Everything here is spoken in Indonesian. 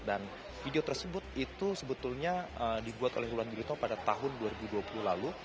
dan video tersebut itu sebetulnya dibuat oleh wulan guritno pada tahun dua ribu dua puluh lalu